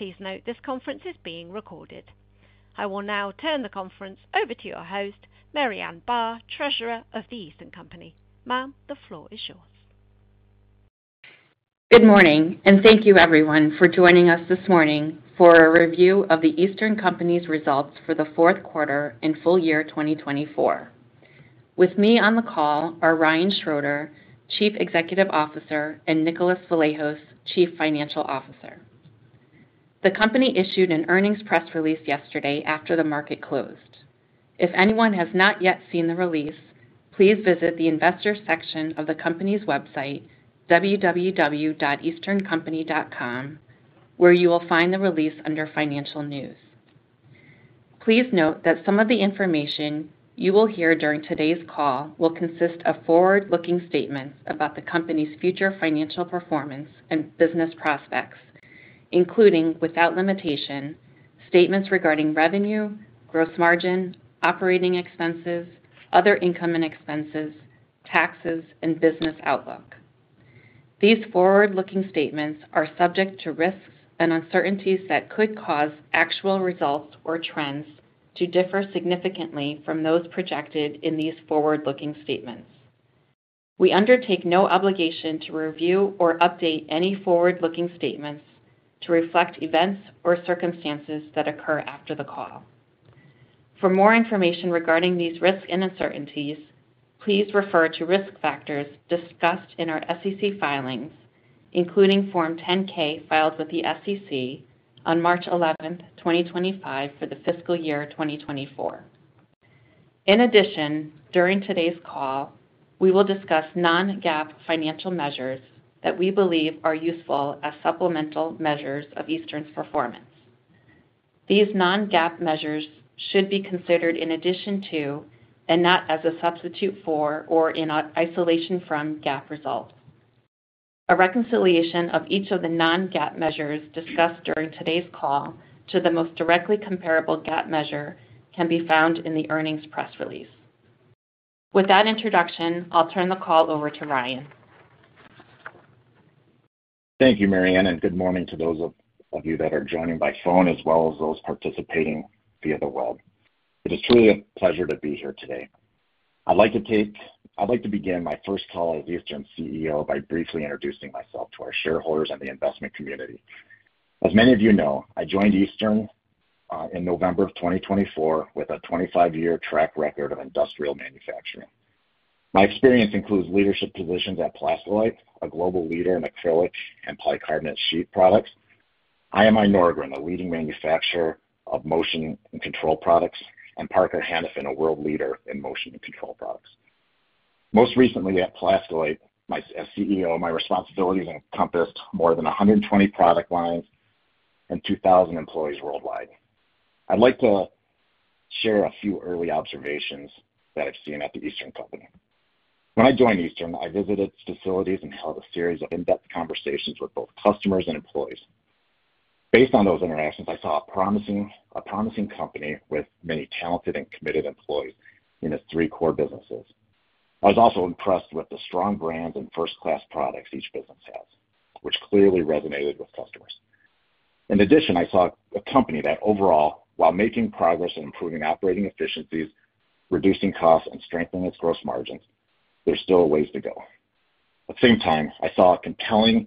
Please note this conference is being recorded. I will now turn the conference over to your host, Marianne Barr, Treasurer of The Eastern Company. Ma'am, the floor is yours. Good morning and thank you everyone for joining us this morning for a review of The Eastern Company's results for the fourth quarter and full year 2024. With me on the call are Ryan Schroeder, Chief Executive Officer, and Nicholas Vlahos, Chief Financial Officer. The company issued an earnings press release yesterday after the market closed. If anyone has not yet seen the release, please visit the investor section of the company's website, www.easterncompany.com, where you will find the release under Financial News. Please note that some of the information you will hear during today's call will consist of forward-looking statements about the company's future financial performance and business prospects, including without limitation statements regarding revenue, gross margin, operating expenses, other income and expenses, taxes, and business outlook. These forward-looking statements are subject to risks and uncertainties that could cause actual results or trends to differ significantly from those projected in these forward-looking statements. We undertake no obligation to review or update any forward-looking statements to reflect events or circumstances that occur after the call. For more information regarding these risks and uncertainties, please refer to risk factors discussed in our SEC filings, including Form 10-K filed with the SEC on March 11, 2025, for the fiscal year 2024. In addition, during today's call, we will discuss non-GAAP financial measures that we believe are useful as supplemental measures of Eastern's performance. These non-GAAP measures should be considered in addition to, and not as a substitute for or in isolation from GAAP results. A reconciliation of each of the non-GAAP measures discussed during today's call to the most directly comparable GAAP measure can be found in the earnings press release. With that introduction, I'll turn the call over to Ryan. Thank you, Marianne, and good morning to those of you that are joining by phone as well as those participating via the web. It is truly a pleasure to be here today. I'd like to begin my first call as Eastern CEO by briefly introducing myself to our shareholders and the investment community. As many of you know, I joined Eastern in November of 2024 with a 25-year track record of industrial manufacturing. My experience includes leadership positions at Plaskolite, a global leader in acrylic and polycarbonate sheet products. IMI Norgren, a leading manufacturer of motion and control products, and Parker Hannifin, a world leader in motion and control products. Most recently at Plaskolite, as CEO, my responsibilities encompassed more than 120 product lines and 2,000 employees worldwide. I'd like to share a few early observations that I've seen at the Eastern Company. When I joined Eastern, I visited facilities and held a series of in-depth conversations with both customers and employees. Based on those interactions, I saw a promising company with many talented and committed employees in its three core businesses. I was also impressed with the strong brands and first-class products each business has, which clearly resonated with customers. In addition, I saw a company that overall, while making progress and improving operating efficiencies, reducing costs, and strengthening its gross margins, there's still a ways to go. At the same time, I saw a compelling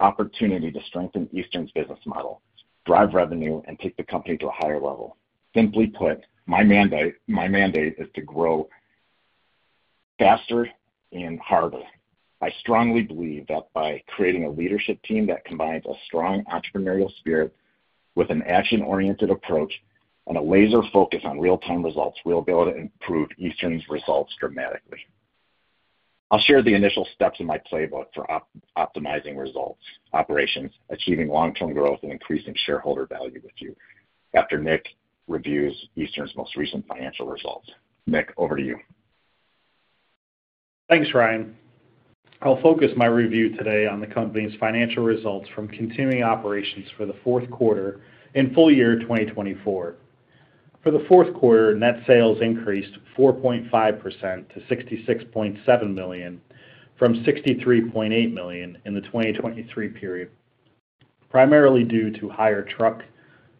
opportunity to strengthen Eastern's business model, drive revenue, and take the company to a higher level. Simply put, my mandate is to grow faster and harder. I strongly believe that by creating a leadership team that combines a strong entrepreneurial spirit with an action-oriented approach and a laser focus on real-time results, we'll be able to improve Eastern's results dramatically. I'll share the initial steps in my playbook for optimizing results, operations, achieving long-term growth, and increasing shareholder value with you after Nick reviews Eastern's most recent financial results. Nick, over to you. Thanks, Ryan. I'll focus my review today on the company's financial results from continuing operations for the fourth quarter and full year 2024. For the fourth quarter, net sales increased 4.5% to $66.7 million from $63.8 million in the 2023 period, primarily due to higher truck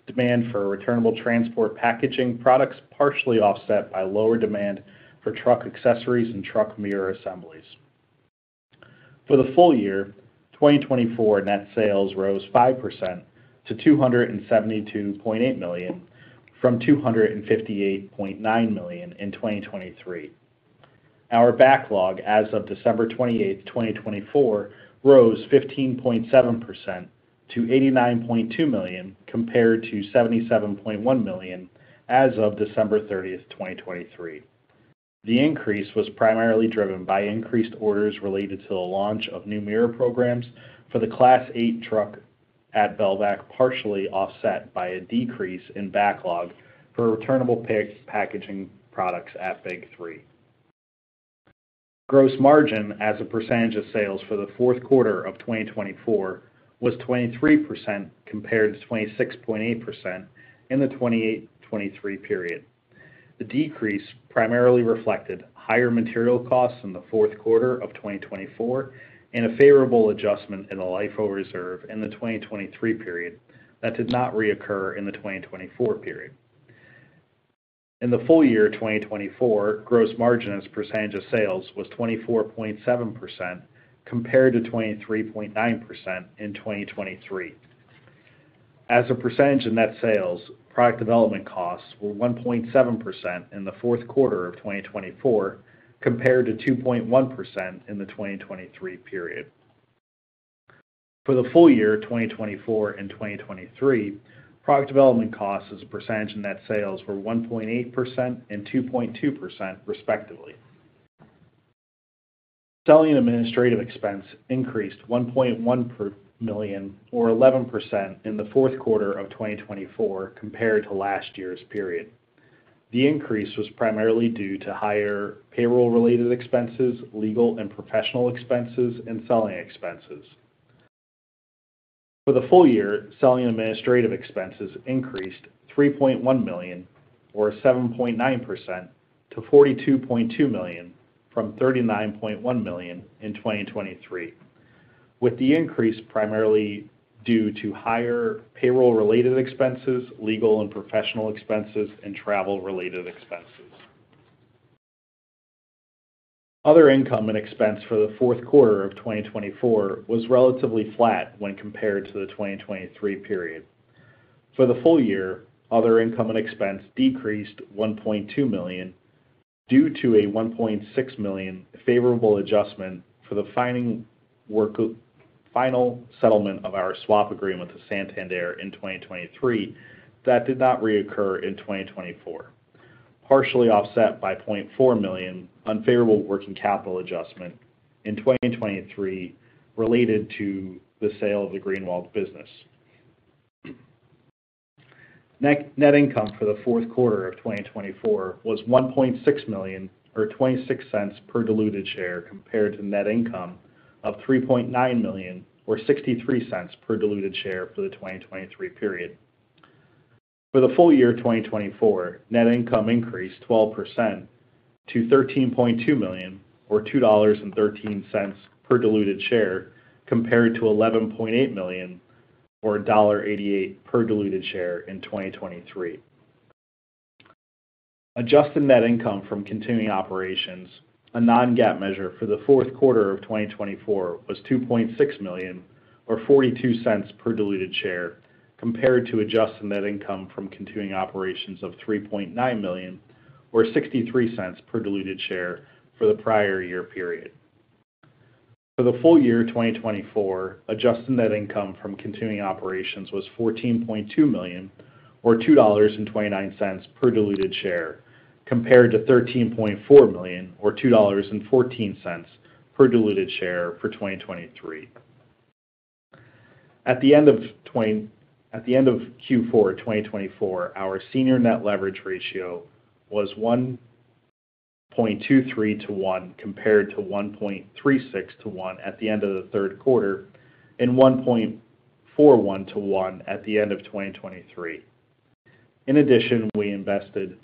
demand for returnable transport packaging products, partially offset by lower demand for truck accessories and truck mirror assemblies. For the full year, 2024 net sales rose 5% to $272.8 million from $258.9 million in 2023. Our backlog as of December 28, 2024, rose 15.7% to $89.2 million compared to $77.1 million as of December 30th, 2023. The increase was primarily driven by increased orders related to the launch of new mirror programs for the Class 8 truck at Velvac, partially offset by a decrease in backlog for returnable packaging products at Big 3. Gross margin as a percentage of sales for the fourth quarter of 2024 was 23% compared to 26.8% in the 2023 period. The decrease primarily reflected higher material costs in the fourth quarter of 2024 and a favorable adjustment in the LIFO reserve in the 2023 period that did not reoccur in the 2024 period. In the full year 2024, gross margin as a percentage of sales was 24.7% compared to 23.9% in 2023. As a percentage of net sales, product development costs were 1.7% in the fourth quarter of 2024 compared to 2.1% in the 2023 period. For the full year 2024 and 2023, product development costs as a percentage of net sales were 1.8% and 2.2% respectively. Selling and administrative expense increased $1.1 million or 11% in the fourth quarter of 2024 compared to last year's period. The increase was primarily due to higher payroll-related expenses, legal and professional expenses, and selling expenses. For the full year, selling and administrative expenses increased $3.1 million or 7.9% to $42.2 million from $39.1 million in 2023, with the increase primarily due to higher payroll-related expenses, legal and professional expenses, and travel-related expenses. Other income and expense for the fourth quarter of 2024 was relatively flat when compared to the 2023 period. For the full year, other income and expense decreased $1.2 million due to a $1.6 million favorable adjustment for the final settlement of our swap agreement with Santander in 2023 that did not reoccur in 2024, partially offset by a $0.4 million unfavorable working capital adjustment in 2023 related to the sale of the Greenwald business. Net income for the fourth quarter of 2024 was $1.6 million or $0.26 per diluted share compared to net income of $3.9 million or $0.63 per diluted share for the 2023 period. For the full year 2024, net income increased 12% to $13.2 million or $2.13 per diluted share compared to $11.8 million or $1.88 per diluted share in 2023. Adjusted net income from continuing operations, a non-GAAP measure for the fourth quarter of 2024, was $2.6 million or $0.42 per diluted share compared to adjusted net income from continuing operations of $3.9 million or $0.63 per diluted share for the prior year period. For the full year 2024, adjusted net income from continuing operations was $14.2 million or $2.29 per diluted share compared to $13.4 million or $2.14 per diluted share for 2023. At the end of Q4 2024, our senior net leverage ratio was 1.23 to 1 compared to 1.36 to 1 at the end of the third quarter and 1.41 to 1 at the end of 2023. In addition, we invested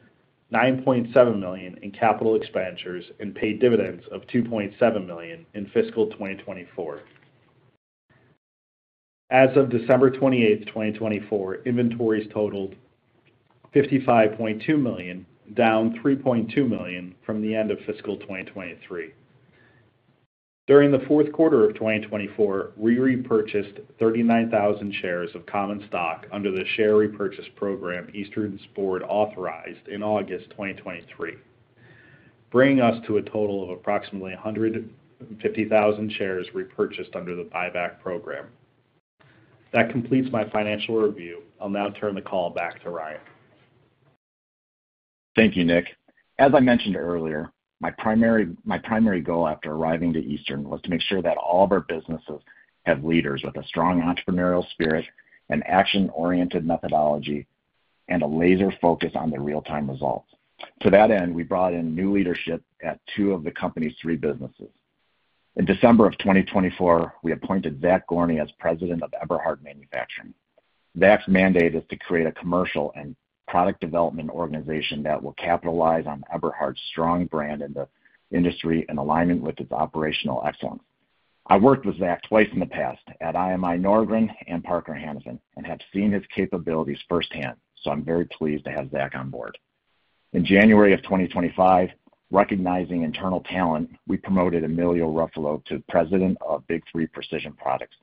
$9.7 million in capital expenditures and paid dividends of $2.7 million in fiscal 2024. As of December 28, 2024, inventories totaled $55.2 million, down $3.2 million from the end of fiscal 2023. During the fourth quarter of 2024, we repurchased 39,000 shares of common stock under the share repurchase program Eastern's board authorized in August 2023, bringing us to a total of approximately 150,000 shares repurchased under the buyback program. That completes my financial review. I'll now turn the call back to Ryan. Thank you, Nick. As I mentioned earlier, my primary goal after arriving to Eastern was to make sure that all of our businesses have leaders with a strong entrepreneurial spirit and action-oriented methodology and a laser focus on the real-time results. To that end, we brought in new leadership at two of the company's three businesses. In December of 2024, we appointed Zach Gorny as President of Eberhard Manufacturing. Zach's mandate is to create a commercial and product development organization that will capitalize on Eberhard's strong brand in the industry in alignment with its operational excellence. I've worked with Zach twice in the past at IMI Norgren and Parker Hannifin and have seen his capabilities firsthand, so I'm very pleased to have Zach on board. In January of 2025, recognizing internal talent, we promoted Emilio Ruffolo to President of Big 3 Precision Products.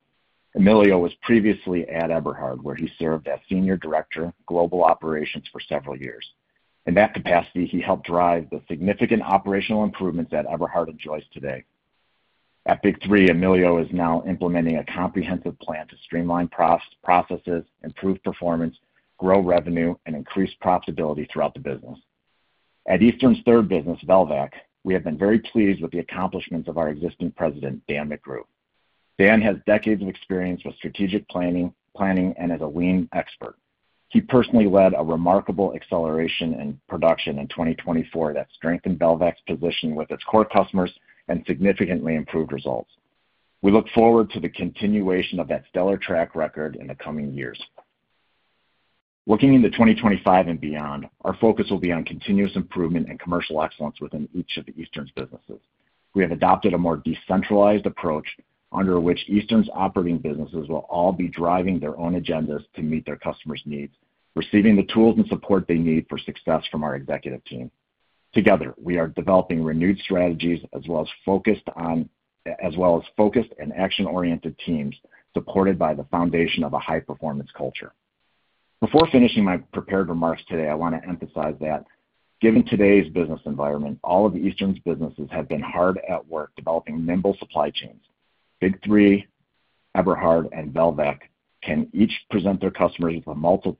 Emilio was previously at Eberhard, where he served as Senior Director, Global Operations for several years. In that capacity, he helped drive the significant operational improvements that Eberhard enjoys today. At Big 3, Emilio is now implementing a comprehensive plan to streamline processes, improve performance, grow revenue, and increase profitability throughout the business. At Eastern's third business, Velvac, we have been very pleased with the accomplishments of our existing President, Dan McGrew. Dan has decades of experience with strategic planning and is a Lean expert. He personally led a remarkable acceleration in production in 2024 that strengthened Velvac's position with its core customers and significantly improved results. We look forward to the continuation of that stellar track record in the coming years. Looking into 2025 and beyond, our focus will be on continuous improvement and commercial excellence within each of Eastern's businesses. We have adopted a more decentralized approach under which Eastern's operating businesses will all be driving their own agendas to meet their customers' needs, receiving the tools and support they need for success from our executive team. Together, we are developing renewed strategies as well as focused and action-oriented teams supported by the foundation of a high-performance culture. Before finishing my prepared remarks today, I want to emphasize that given today's business environment, all of Eastern's businesses have been hard at work developing nimble supply chains. Big 3, Eberhard, and Velvac can each present their customers with multiple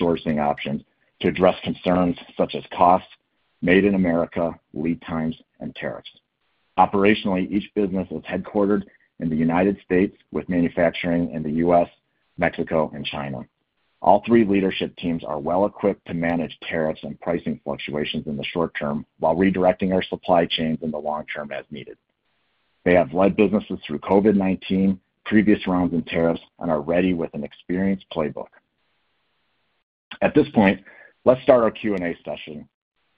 sourcing options to address concerns such as costs, Made in America, lead times, and tariffs. Operationally, each business is headquartered in the United States with manufacturing in the U.S., Mexico, and China. All three leadership teams are well equipped to manage tariffs and pricing fluctuations in the short term while redirecting our supply chains in the long term as needed. They have led businesses through COVID-19, previous rounds in tariffs, and are ready with an experienced playbook. At this point, let's start our Q&A session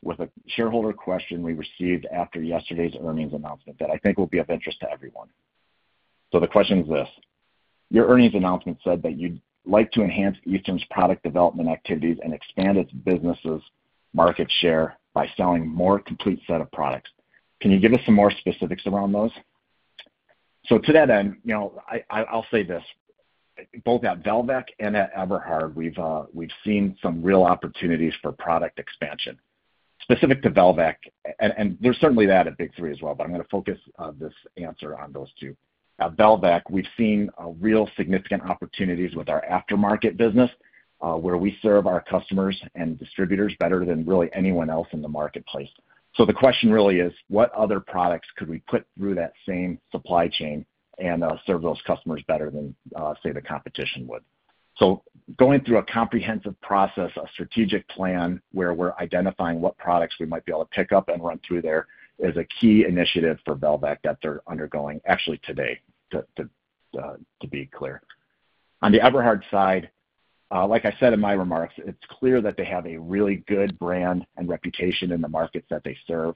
with a shareholder question we received after yesterday's earnings announcement that I think will be of interest to everyone. The question is this: Your earnings announcement said that you'd like to enhance Eastern's product development activities and expand its business's market share by selling a more complete set of products. Can you give us some more specifics around those? To that end, I'll say this: both at Velvac and at Eberhard, we've seen some real opportunities for product expansion. Specific to Velvac, and there's certainly that at Big 3 as well, but I'm going to focus this answer on those two. At Velvac, we've seen real significant opportunities with our aftermarket business, where we serve our customers and distributors better than really anyone else in the marketplace. The question really is, what other products could we put through that same supply chain and serve those customers better than, say, the competition would? Going through a comprehensive process, a strategic plan where we're identifying what products we might be able to pick up and run through there is a key initiative for Velvac that they're undergoing actually today, to be clear. On the Eberhard side, like I said in my remarks, it's clear that they have a really good brand and reputation in the markets that they serve.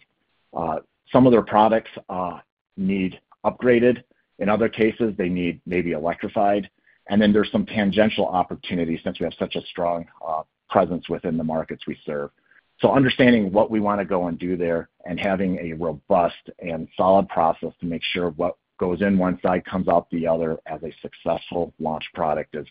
Some of their products need upgraded. In other cases, they need maybe electrified. There are some tangential opportunities since we have such a strong presence within the markets we serve. Understanding what we want to go and do there and having a robust and solid process to make sure what goes in one side comes out the other as a successful launch product is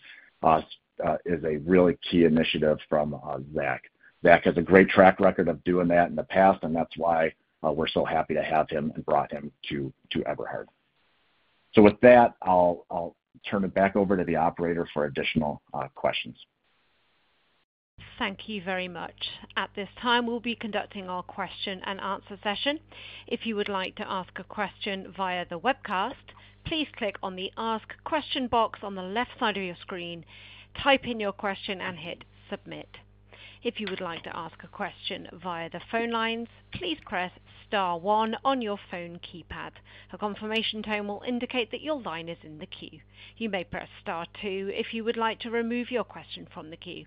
a really key initiative from Zach. Zach has a great track record of doing that in the past, and that's why we're so happy to have him and brought him to Eberhard. With that, I'll turn it back over to the operator for additional questions. Thank you very much. At this time, we'll be conducting our question and answer session. If you would like to ask a question via the webcast, please click on the Ask Question box on the left side of your screen, type in your question, and hit Submit. If you would like to ask a question via the phone lines, please press star one on your phone keypad. A confirmation tone will indicate that your line is in the queue. You may press star two if you would like to remove your question from the queue.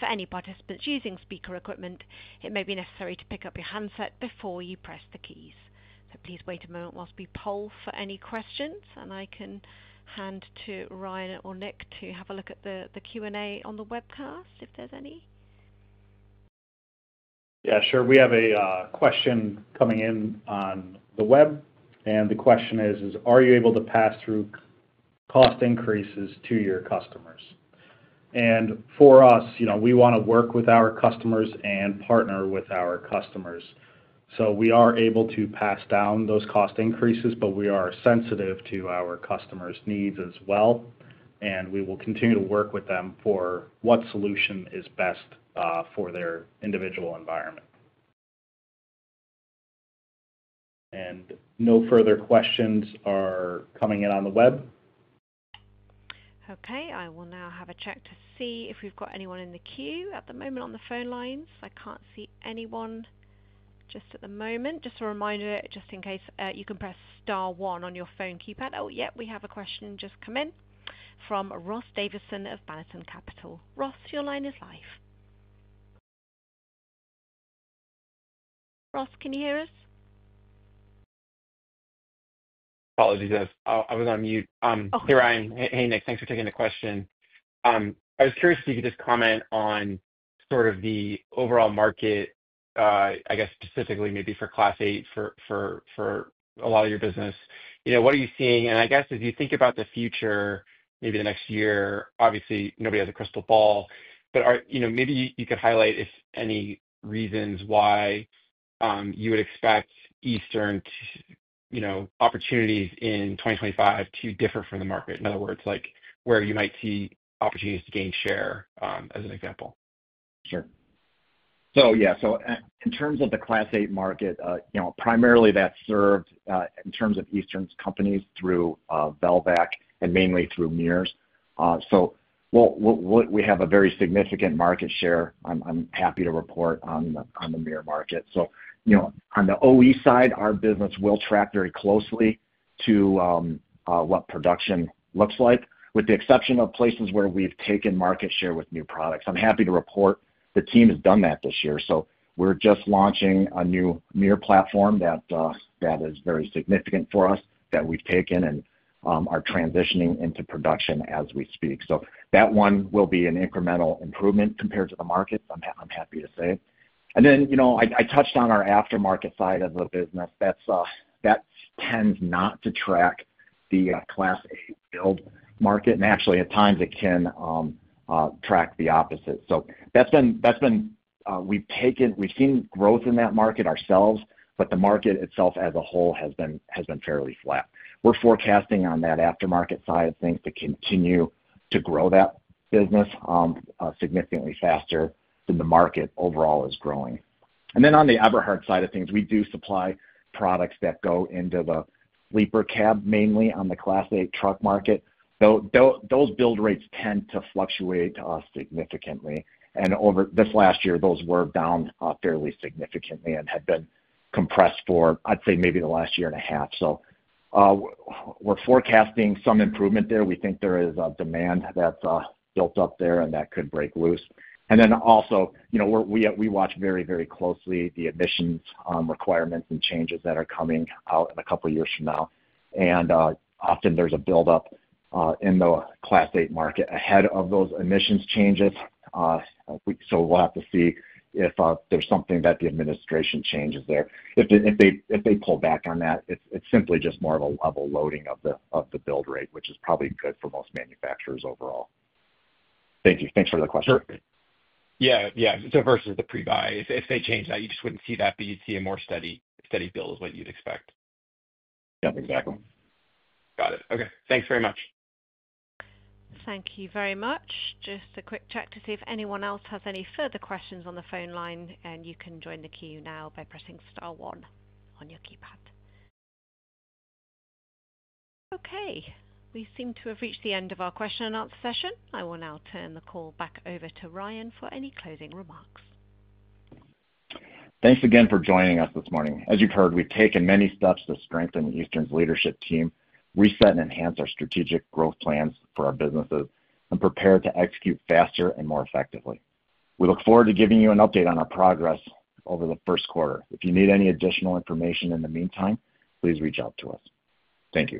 For any participants using speaker equipment, it may be necessary to pick up your handset before you press the keys. Please wait a moment whilst we poll for any questions, and I can hand to Ryan or Nick to have a look at the Q&A on the webcast if there's any. Yeah, sure. We have a question coming in on the web, and the question is, are you able to pass through cost increases to your customers? For us, we want to work with our customers and partner with our customers. We are able to pass down those cost increases, but we are sensitive to our customers' needs as well, and we will continue to work with them for what solution is best for their individual environment. No further questions are coming in on the web. Okay. I will now have a check to see if we've got anyone in the queue at the moment on the phone lines. I can't see anyone just at the moment. Just a reminder, just in case, you can press star one on your phone keypad. Oh, yep, we have a question just come in from Ross Davisson of Banneton Capital. Ross, your line is live. Ross, can you hear us? Apologies. I was on mute. Okay. Here I am. Hey, Nick. Thanks for taking the question. I was curious if you could just comment on sort of the overall market, I guess, specifically maybe for Class 8 for a lot of your business. What are you seeing? I guess as you think about the future, maybe the next year, obviously, nobody has a crystal ball, but maybe you could highlight if any reasons why you would expect Eastern's opportunities in 2025 to differ from the market, in other words, where you might see opportunities to gain share as an example. Sure. Yeah, in terms of the Class 8 market, primarily that's served in terms of Eastern's companies through Velvac and mainly through mirrors. We have a very significant market share. I'm happy to report on the mirrors market. On the OE side, our business will track very closely to what production looks like, with the exception of places where we've taken market share with new products. I'm happy to report the team has done that this year. We're just launching a new mirrors platform that is very significant for us that we've taken and are transitioning into production as we speak. That one will be an incremental improvement compared to the market. I'm happy to say it. I touched on our aftermarket side of the business. That tends not to track the Class 8 build market, and actually, at times, it can track the opposite. That's been we've seen growth in that market ourselves, but the market itself as a whole has been fairly flat. We're forecasting on that aftermarket side of things to continue to grow that business significantly faster than the market overall is growing. On the Eberhard side of things, we do supply products that go into the sleeper cab mainly on the Class 8 truck market. Those build rates tend to fluctuate significantly. Over this last year, those were down fairly significantly and had been compressed for, I'd say, maybe the last year and a half. We're forecasting some improvement there. We think there is a demand that's built up there and that could break loose. We watch very, very closely the emissions requirements and changes that are coming out in a couple of years from now. Often, there is a buildup in the Class 8 market ahead of those emissions changes. We will have to see if there is something that the administration changes there. If they pull back on that, it is simply just more of a level loading of the build rate, which is probably good for most manufacturers overall. Thank you. Thanks for the question. Sure. Yeah. Yeah. Versus the pre-buy, if they change that, you just wouldn't see that, but you'd see a more steady build is what you'd expect. Yep. Exactly. Got it. Okay. Thanks very much. Thank you very much. Just a quick check to see if anyone else has any further questions on the phone line, and you can join the queue now by pressing star one on your keypad. Okay. We seem to have reached the end of our question-and-answer session. I will now turn the call back over to Ryan for any closing remarks. Thanks again for joining us this morning. As you've heard, we've taken many steps to strengthen Eastern's leadership team, reset and enhance our strategic growth plans for our businesses, and prepare to execute faster and more effectively. We look forward to giving you an update on our progress over the first quarter. If you need any additional information in the meantime, please reach out to us. Thank you.